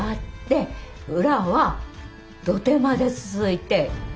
裏は土手まで続いて。